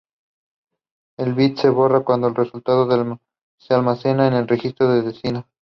El bit se borra cuando el resultado se almacena en el registro destino.